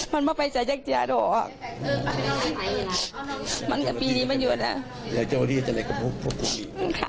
มันมาไปเฆียกเสียดอก